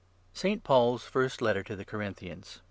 ST. PAUL'S FIRST LETTER TO THE CORINTHIANS.